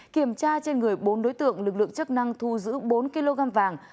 kiểm tra trên người bốn đối tượng lực lượng chức năng thu giữ bốn kg vàng